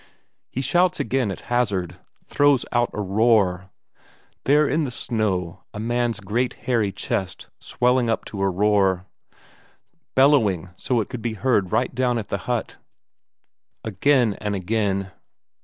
He shouts again at hazard, throws out a roar; there in the snow a man's great hairy chest swelling to a roar, bellowing so it could be heard right down at the hut, again and again.